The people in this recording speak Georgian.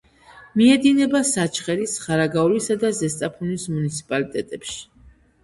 მიედინება საჩხერის, ხარაგაულისა და ზესტაფონის მუნიციპალიტეტებში.